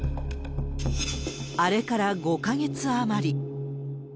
あれから５か月余り。